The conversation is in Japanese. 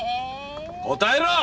答えろ！